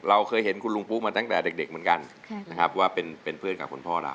เราเคยเห็นคุณลุงปุ๊มาตั้งแต่เด็กเหมือนกันนะครับว่าเป็นเพื่อนกับคุณพ่อเรา